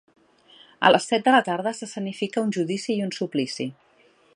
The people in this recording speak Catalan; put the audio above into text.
A les set de la tarda s'escenifica un judici i un suplici.